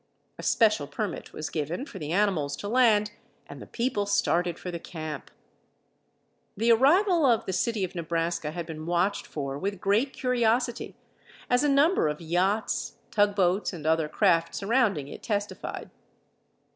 A special permit was given for the animals to land, and the people started for the camp. The arrival of the City of Nebraska had been watched for with great curiosity, as a number of yachts, tugboats, and other craft surrounding it testified.